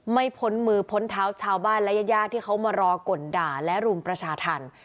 พ้นมือพ้นเท้าชาวบ้านและญาติที่เขามารอกลด่าและรุมประชาธรรม